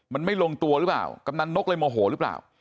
มันไม่ลงตัวหรือเปล่ากำนันนกเลยโมโหหรือเปล่า